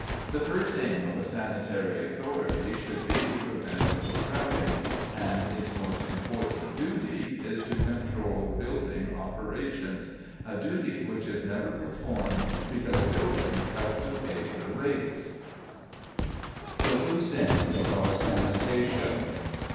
The first aim of a sanitary authority should be to prevent overcrowding, and its most important duty is to control building operations, a duty which is never performed because buildings help to pay the rates. THE LOOSE END OF OUR SANITATION.